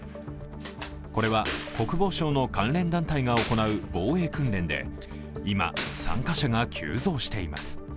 これは国防省の関連団体が行う防衛訓練で、今、参加者が急増しています。